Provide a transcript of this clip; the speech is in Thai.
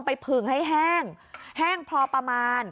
ผึงให้แห้งแห้งพอประมาณ